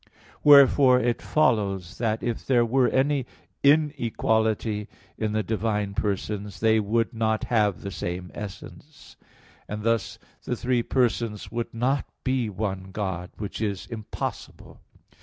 Wherefore it follows, that if there were any inequality in the divine persons, they would not have the same essence; and thus the three persons would not be one God; which is impossible.